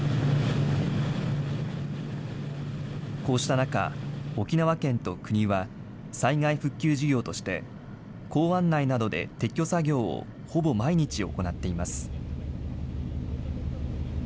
こうした中、沖縄県と国は、災害復旧事業として、港湾内などで撤去作業をほぼ毎日行っています。